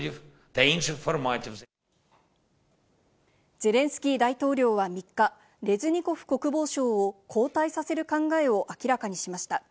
ゼレンスキー大統領は３日、レズニコフ国防相を交代させる考えを明らかにしました。